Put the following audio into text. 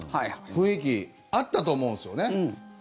雰囲気あったと思うんですよね。